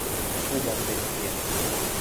ผู้บำเพ็ญเพียร